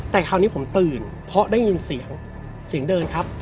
แต่คราวนี้ผมตื่นเพราะได้ยินเสียงเสียงเดินครับ